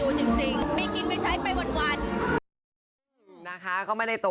ซึ่งตรงนี้หญิงมองว่าถ้าใครที่เล่นที่ดิน